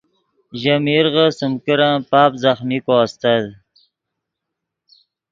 ژے میرغے سیم کرن پاپ ځخمیکو استت